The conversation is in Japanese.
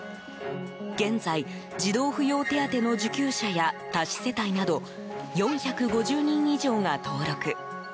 現在、児童扶養手当の受給者や多子世帯など４５０人以上が登録。